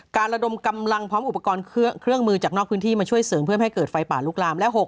ระดมกำลังพร้อมอุปกรณ์เครื่องมือจากนอกพื้นที่มาช่วยเสริมเพื่อไม่ให้เกิดไฟป่าลุกลาม